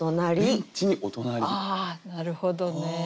ああなるほどね。